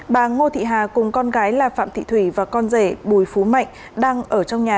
bà ngô thị hà cùng con gái là phạm thị thủy và con rể bùi phú mạnh đang ở trong nhà